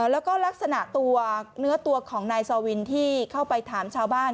แล้วก็ลักษณะตัวเนื้อตัวของนายซอวินที่เข้าไปถามชาวบ้าน